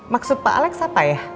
maksud pak alex apa ya